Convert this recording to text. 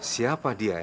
siapa dia ya